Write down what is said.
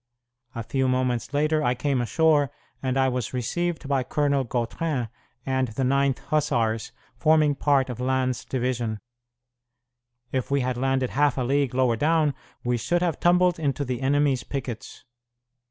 A few moments later I came ashore, and I was received by Colonel Gautrin and the 9th Hussars, forming part of Lannes's division. If we had landed half a league lower down we should have tumbled into the enemy's pickets.